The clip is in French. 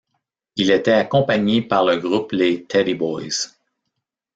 Il était accompagné par le groupe les Teddy Boys.